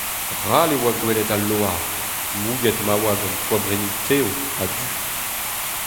Ral e oa gwelet al loar, mouget ma oa gant koabrennoù tev ha du.